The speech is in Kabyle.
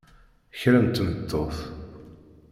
Kra n tmeṭṭut!